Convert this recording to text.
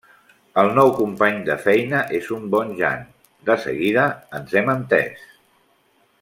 El nou company de feina és un bon jan. De seguida ens hem entès.